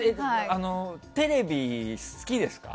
テレビ好きですか？